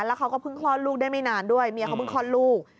แล้วเขาก็เพิ่งคลอดลูกได้ไม่นานด้วยเมียเขาเพิ่งคลอดลูก